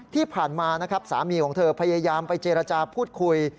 ที่ผ่านมานะครับสามีของเธอพยายามไปเจรจาพูดคุย